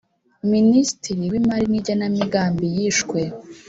Minisitiri w Imari n Igenamigambi yishwe